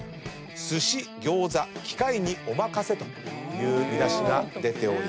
「すし・ギョーザ機械にお任せ」という見出しが出ております。